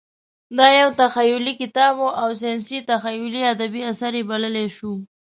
دا یو تخیلي کتاب و او ساینسي تخیلي ادبي اثر یې بللی شو.